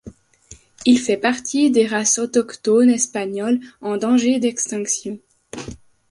Il fait partie des races autochtones espagnoles en danger d'extinction.